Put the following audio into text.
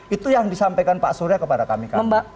itu yang disampaikan pak surya kepada kami kami